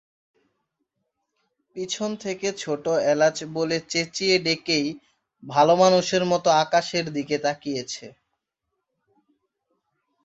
পিছন থেকে ছোটো এলাচ বলে চেঁচিয়ে ডেকেই ভালোমানুষের মতো আকাশের দিকে তাকিয়েছে।